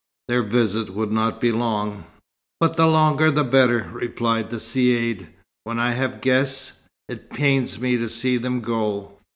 Their visit would not be long. "But the longer the better," replied the Caïd. "When I have guests, it pains me to see them go."